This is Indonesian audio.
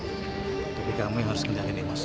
tapi kamu yang harus kenalin emosi